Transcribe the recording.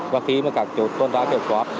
và khi mà các chỗ tuân trá kiểm soát